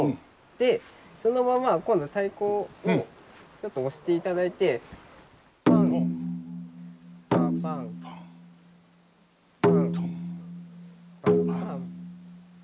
でそのまま今度太鼓をちょっと押していただいてパンパパンパンパパンパン。